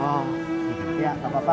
oh ya nggak apa apa